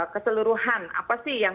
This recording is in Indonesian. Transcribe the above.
keseluruhan apa sih yang